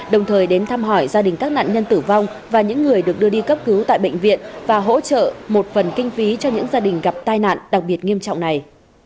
đồng thời đến thăm hỏi gia đình các nạn nhân tử vong và những người được đưa đi cấp cứu tại bệnh viện và hỗ trợ một phần kinh phí cho những gia đình gặp tai nạn đặc biệt nghiêm trọng này